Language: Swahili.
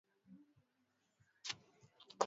Watoto wanaenda shuleni.